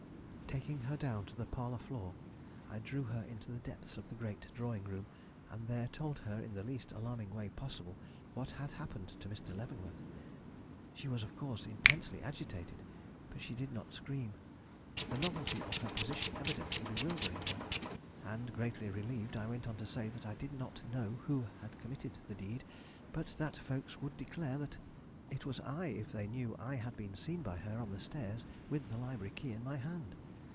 Taking her down to the parlor floor, I drew her into the depths of the great drawing room, and there told her in the least alarming way possible what had happened to Mr. Leavenworth. She was of course intensely agitated, but she did not scream; the novelty of her position evidently bewildering her and, greatly relieved, I went on to say that I did not know who committed the deed, but that folks would declare it was I if they knew I had been seen by her on the stairs with the library key in my hand.